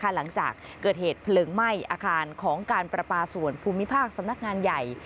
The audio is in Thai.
หลังจากเกิดเหตุเพลิงไหม้อาคารของการประปาส่วนภูมิภาคสำนักงานใหญ่